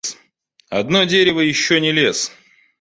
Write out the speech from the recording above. Одно дерево еще не лес.